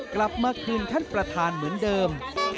กลับมาคืนท่านประธานเหมือนเดิม